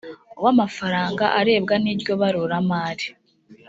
w amafaranga arebwa n iryo baruramari